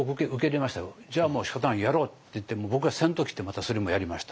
じゃあもうしかたないやろうって言って僕は先頭切ってまたそれもやりました。